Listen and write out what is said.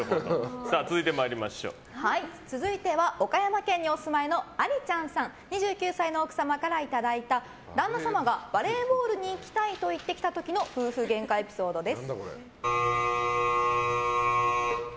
続いては岡山県にお住まいのありちゃんさん２９歳の奥様からいただいた旦那様がバレーボールに行きたいと言ってきた時の夫婦げんかエピソードです。